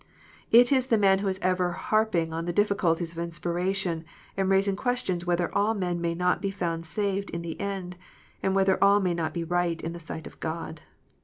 " It is the man who is ever harping on the difficulties of inspiration, and raising questions whether all men may not be found saved in the end, and whether all may not be right in the sight of God.